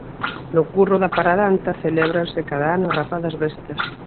No curro da Paradanta celébrase cada ano a rapa das bestas.